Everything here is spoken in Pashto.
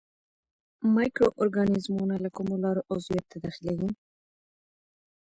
مایکرو ارګانیزمونه له کومو لارو عضویت ته داخليږي.